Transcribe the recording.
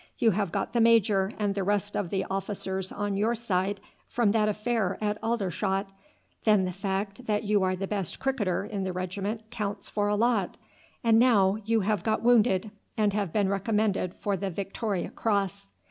You have got the major and the rest of the officers on your side from that affair at Aldershot, then the fact that you are the best cricketer in the regiment counts for a lot, and now you have got wounded and have been recommended for the Victoria Cross.